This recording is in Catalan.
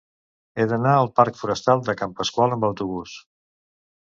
He d'anar al parc Forestal de Can Pasqual amb autobús.